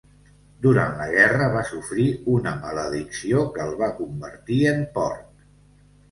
Durant la guerra va sofrir una maledicció que el va convertir en porc.